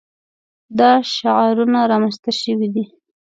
دا شعارونه رامنځته شوي دي.